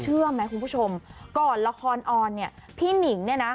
เชื่อไหมคุณผู้ชมก่อนละครออนเนี่ยพี่หนิงเนี่ยนะ